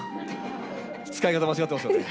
使い方間違ってますよね。